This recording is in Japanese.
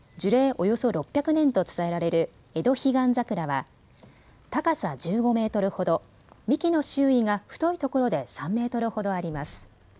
およそ６００年と伝えられるエドヒガンザクラは高さ１５メートルほど幹の周囲が太いところで３メートルほどあります。